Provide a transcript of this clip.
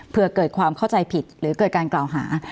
เพื่อเกิดความเข้าใจผิดหรือเกิดการกล่าวหา